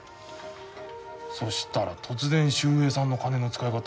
そしたら突然秀平さんの金の使い方